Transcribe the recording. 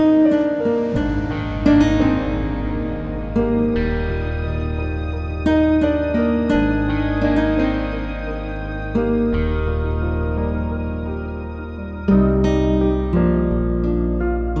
opahnya nggak ada di situ